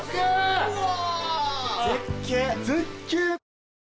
うわ！